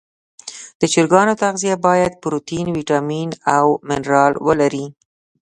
د چرګانو تغذیه باید پروټین، ویټامین او منرال ولري.